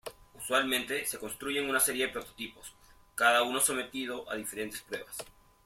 Usualmente, se construyen una serie de prototipos, cada uno sometido a diferentes pruebas.